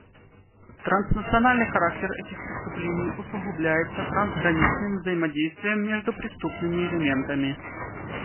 Транснациональный характер этих преступлений усугубляется трансграничным взаимодействием между преступными элементами.